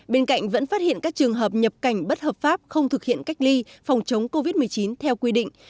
bên cạnh vẫn phát hiện các trường hợp nhập cảnh bất hợp pháp không thực hiện cách ly phòng chống covid một mươi chín theo quy định